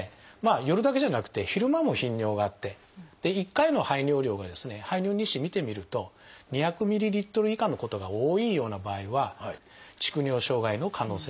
夜だけじゃなくて昼間も頻尿があって１回の排尿量がですね排尿日誌見てみると２００ｍＬ以下のことが多いような場合は蓄尿障害の可能性があります。